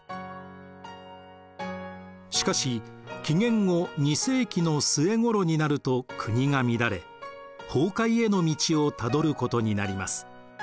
しかし紀元後２世紀の末頃になると国が乱れ崩壊への道をたどることになります。